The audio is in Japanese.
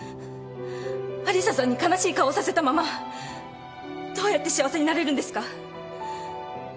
有沙さんに悲しい顔をさせたままどうやって幸せになれるんですか？